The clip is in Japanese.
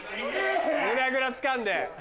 胸ぐらつかんで。